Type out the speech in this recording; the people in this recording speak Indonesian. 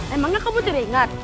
emangnya kamu tidak ingat